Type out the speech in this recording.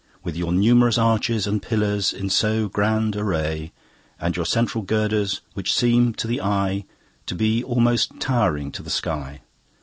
With your numerous arches and pillars in so grand array And your central girders, which seem to the eye To be almost towering to the sky.